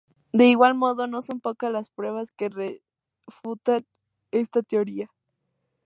De igual modo, no son pocas las pruebas que refutan está teoría.